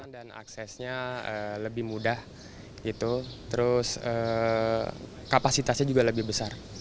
dan aksesnya lebih mudah terus kapasitasnya juga lebih besar